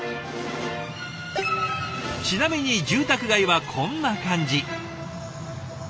ちなみに住宅街はこんな感じ。